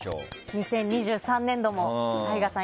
２０２３年度もＴＡＩＧＡさん